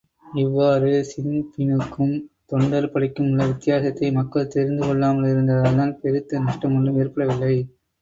இவ்வாறு ஸின்பினுக்கும் தொண்டர் படைக்குமுள்ள வித்தியாசத்தை மக்கள் தெரிந்துகொள்ளாமலிருந்ததால், பெருத்த நஷ்டமொன்றும் ஏற்பட்டுவிடவில்லை.